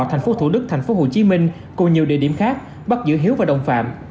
thành phố thủ đức thành phố hồ chí minh cùng nhiều địa điểm khác bắt giữ hiếu và đồng phạm